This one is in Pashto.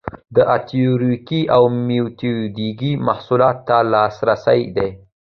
دا تیوریکي او میتودیکي معلوماتو ته لاسرسی دی.